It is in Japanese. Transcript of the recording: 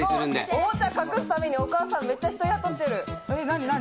おもちゃ隠すために、お母さん、めっちゃ人雇ってる。